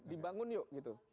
dibangun yuk gitu